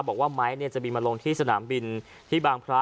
บอกว่าไม้จะบินมาลงที่สนามบินที่บางพระ